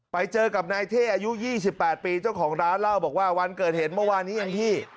ไปเจอกับนายเท่อายุ๒๘ปีเจ้าของร้านเล่าบอกว่าวันเกิดเหตุเมื่อวานนี้เองพี่